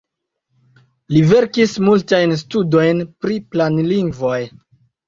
Li verkis multajn studojn pri planlingvoj.